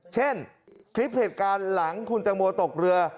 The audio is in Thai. เช่นคลิปเหตุการณ์หลังคุณตังโมตกเรือ